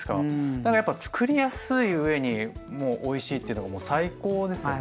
何かやっぱつくりやすい上にもうおいしいっていうのがもう最高ですよね。